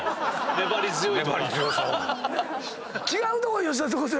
粘り強いな！